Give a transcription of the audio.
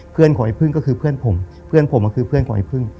ของไอ้พึ่งก็คือเพื่อนผมเพื่อนผมก็คือเพื่อนของไอ้พึ่ง